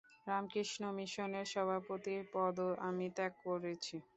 রামকৃষ্ণ মিশনের সভাপতির পদও আমি ত্যাগ করেছি।